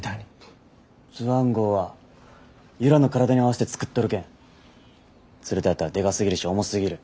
スワン号は由良の体に合わせて作っとるけん鶴田やったらでかすぎるし重すぎる。